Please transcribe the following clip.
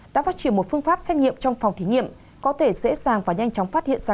đã phát triển một phương pháp xét nghiệm trong phòng thí nghiệm có thể dễ dàng và nhanh chóng phát hiện ra